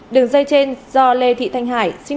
đường dây trên do lê thị thanh hải